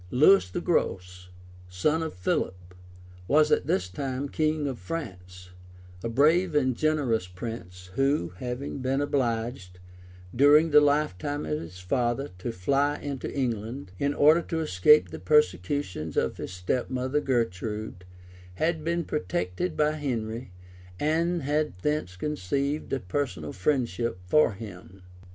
Lewis the Gross son of Philip, was at this time king of France, a brave and generous prince, who, having been obliged, during the lifetime of his father, to fly into England, in order to escape the persecutions of his step mother Gertrude, had been protected by Henry, and had thence conceived a personal friendship for him.